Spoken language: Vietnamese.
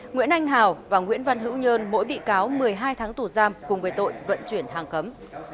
nguyễn anh hào và nguyễn văn hữu nhơn mỗi bị cáo một mươi hai tháng tù giam cùng với tội vận chuyển hàng cấm